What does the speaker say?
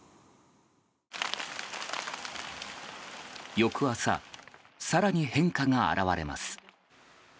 翌朝、更に変化が表れます。